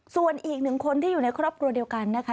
ส่วนอีกหนึ่งคนที่อยู่ในครอบครัวเดียวกันนะคะ